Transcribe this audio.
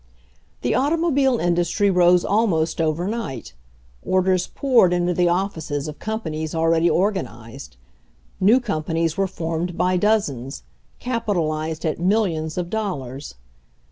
The automobile industry rose almost over night. Orders poured into the offices of com panies already organized; new companies were formed by dozens, capitalized at millions of dol lars.